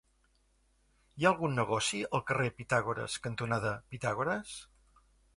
Hi ha algun negoci al carrer Pitàgores cantonada Pitàgores?